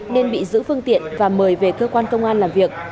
nên bị giữ phương tiện và mời về cơ quan công an làm việc